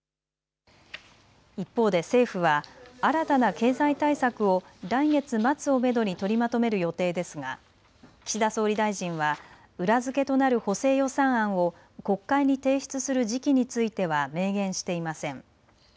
一方で政府は新たな経済対策を来月末をめどに取りまとめる予定ですが岸田総理大臣は裏付けとなる補正予算案を国会に提出する時期については明言していません。